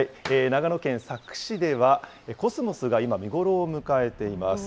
長野県佐久市では、コスモスが今、見頃を迎えています。